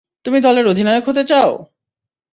তুমি দলের অধিনায়ক হতে চাও!